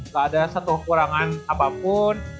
gak ada satu kekurangan apapun